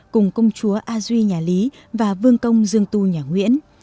cùng công chúa a duy nhà lý và vương công dương tu nhà nguyễn